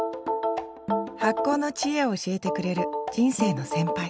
発酵の知恵を教えてくれる人生の先輩